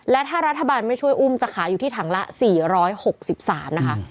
และถ้ารัฐบาลไม่ช่วยอุ้มจะขายอยู่ที่ถังละ๔๖๓นะคะ